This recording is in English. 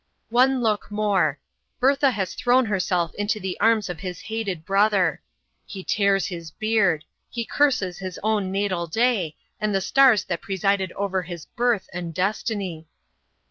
One look more. Bertha has thrown herself into the arms of his hated brother. He tears his beard; he curses his own natal day, and the stars that presided over his birth and destiny.